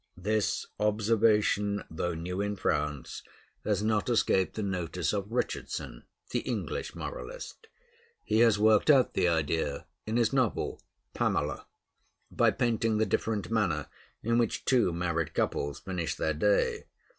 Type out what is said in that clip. This observation, though new in France, has not escaped the notice of Richardson, the English moralist. He has worked out the idea in his novel 'Pamela,' by painting the different manner in which two married couples finish their day.